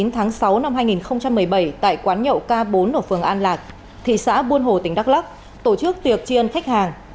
tháng sáu năm hai nghìn một mươi bảy tại quán nhậu k bốn ở phường an lạc thị xã buôn hồ tỉnh đắk lắc tổ chức tiệc chi ân khách hàng